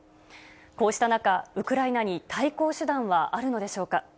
こうした中、ウクライナに対抗手段はあるのでしょうか。